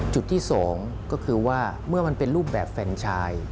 จุดที่๒ก็คือว่าเมื่อมันเป็นรูปแบบแฟนชาย